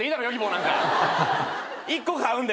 １個買うんだよ